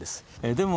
でも